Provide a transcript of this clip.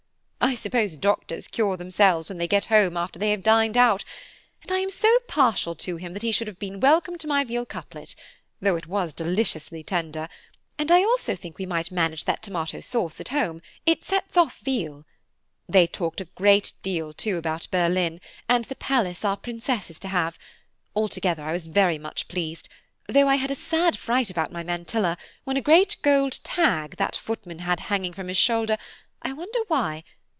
I suppose doctors cure themselves when they get home after they have dined out, and I am so partial to him that he should have been welcome to my veal cutlet, though it was deliciously tender, and I also think we might manage that tomato sauce at home–it sets off veal. They talked a great deal too about Berlin, and the palace our Princess is to have; altogether I was very much pleased, though I had a sad fright about my mantilla when a great gold tag that footman had hanging from his shoulder–I wonder why?